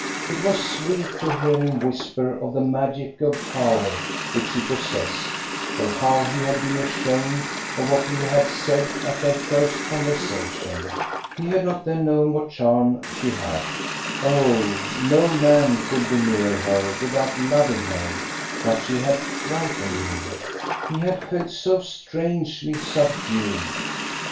It was sweet to hear him whisper of the magical power which she possessed, of how he had been ashamed of what he had said at their first conversation. He had not then known what charm she had. Oh, no man could be near her without loving her, but she had frightened him ; he had felt so strangely subdued.